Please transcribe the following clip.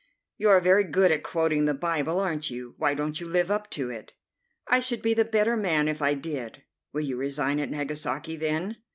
"You are very good at quoting the Bible, aren't you? Why don't you live up to it?" "I should be the better man if I did." "Will you resign at Nagasaki, then?"